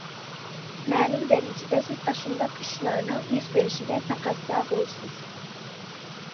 مەلۇم دەرىجىدە سىز ئاشۇنداق ئىشلارنىڭ يۈز بېرىشىگە تەقەززا بولىسىز.